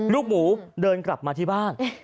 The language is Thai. ลูกหมูเดินกลับมาที่บ้าน